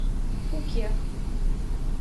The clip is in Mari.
Уке!